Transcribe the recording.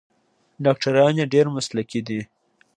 ډاکټران یې ډیر مسلکي دي.